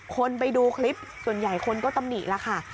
คนไปดูคลิปส่วนใหญ่คนก็ตำหนิแล้วค่ะ